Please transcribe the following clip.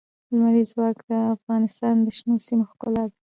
لمریز ځواک د افغانستان د شنو سیمو ښکلا ده.